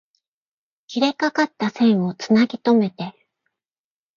切れかかった線を繋ぎとめて